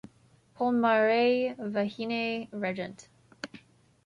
Po-maré Vahiné Regent.